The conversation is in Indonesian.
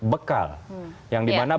bekal yang dimana